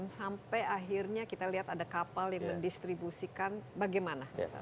sampai akhirnya kita lihat ada kapal yang mendistribusikan bagaimana